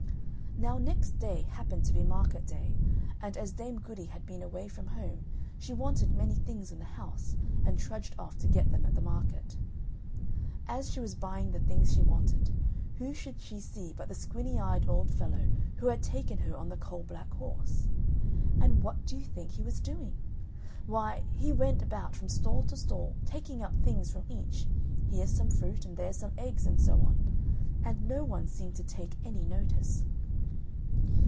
Now next day happened to be market day, and as Dame Goody had been away from home, she wanted many things in the house, and trudged off to get them at the market. As she was buying the things she wanted, who should she see but the squinny eyed old fellow who had taken her on the coal black horse. And what do you think he was doing? Why he went about from stall to stall taking up things from each, here some fruit, and there some eggs, and so on; and no one seemed to take any notice.